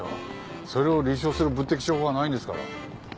それを立証する物的証拠がないんですから。